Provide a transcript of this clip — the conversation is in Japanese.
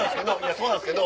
そうなんすけど。